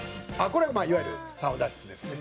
「これはいわゆるサウナ室ですね」